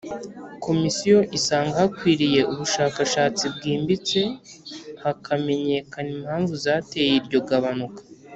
Komisiyo isanga hakwiye ubushakashatsi bwimbitse hakamenyekana impamvu zateye iryo gabanuka